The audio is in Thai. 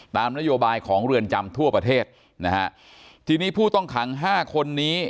ตามนโยบายของเรือนจำทั่วประเทศนะฮะทีนี้ผู้ต้องขังห้าคนนี้